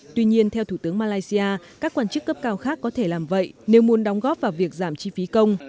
tuy nhiên theo thủ tướng malaysia các quan chức cấp cao khác có thể làm vậy nếu muốn đóng góp vào việc giảm chi phí công